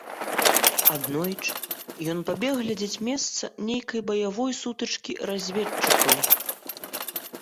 Аднойчы ён пабег глядзець месца нейкай баявой сутычкі разведчыкаў.